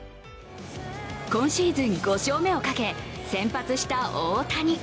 今シーズン５勝目をかけ先発した大谷。